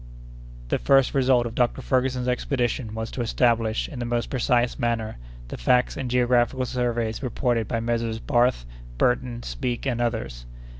The first result of Dr. Ferguson's expedition was to establish, in the most precise manner, the facts and geographical surveys reported by Messrs. Barth, Burton, Speke, and others.